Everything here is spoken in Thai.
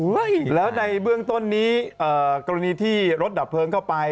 ไม่แล้วในเบื้องต้นนี้กรณีที่รถดับเพลิงเข้าไป